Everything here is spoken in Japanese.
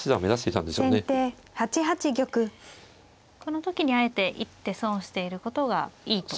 この時にあえて一手損していることがいいと。